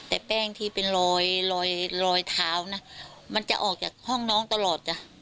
แต่แป้งที่เป็นรอยเท้านะมันจะออกจากห้องน้องตลอดจ้ะ